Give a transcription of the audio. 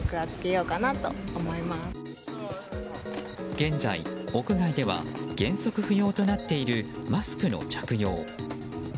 現在、屋外では原則不要となっているマスクの着用。